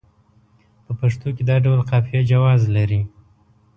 په پښتو کې دا ډول قافیه جواز لري.